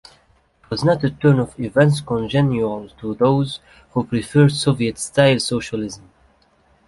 It was not a turn of events congenial to those who preferred Soviet-style socialism.